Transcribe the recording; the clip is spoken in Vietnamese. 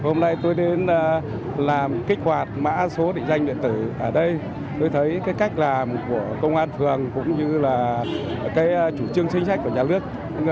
hôm nay tôi đến làm kích hoạt mã số định danh điện tử ở đây tôi thấy cái cách làm của công an phường cũng như là cái chủ trương chính sách của nhà nước